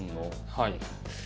はい。